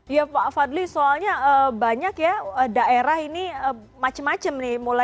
ya pak fadli soalnya banyak ya daerah ini macam macam nih